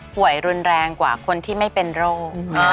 รุนแรงกว่าคนที่ไม่เป็นโรค